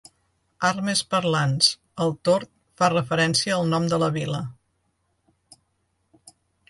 Armes parlants: el tord fa referència al nom de la vila.